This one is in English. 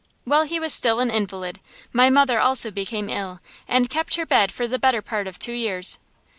While he was still an invalid, my mother also became ill and kept her bed for the better part of two years.